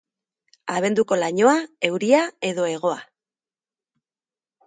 Abenduko lainoa, euria edo hegoa.